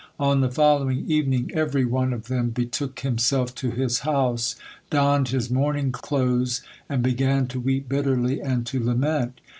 On the following evening every one of them betook himself to his house, donned his mourning cloths, and began to weep bitterly and to lament.